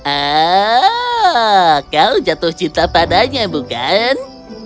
ah kau jatuh cinta padanya bukan